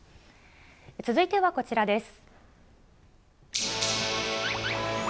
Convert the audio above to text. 続いてはこちらです。